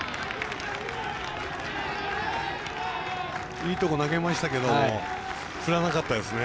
いいところ投げましたけど振らなかったですね。